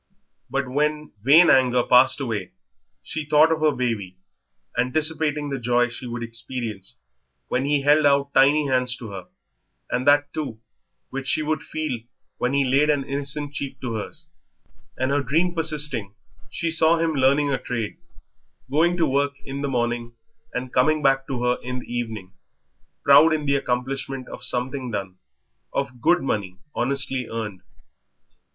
But when vain anger passed away she thought of her baby, anticipating the joy she would experience when he held out tiny hands to her, and that, too, which she would feel when he laid an innocent cheek to hers; and her dream persisting, she saw him learning a trade, going to work in the morning and coming back to her in the evening, proud in the accomplishment of something done, of good money honestly earned.